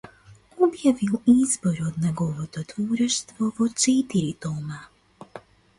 Објавил избор од неговото творештво во четири тома.